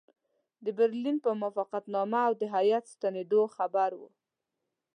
د برلین په موافقتنامه او د هیات ستنېدلو خبر وو.